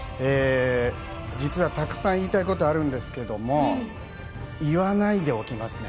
実は、たくさん言いたいことがあるんですけれども言わないでおきますね。